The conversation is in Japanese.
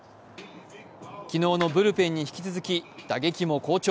昨日のブルペンに引き続き打撃も好調。